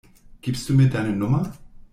Gibst du mir deine Nummer?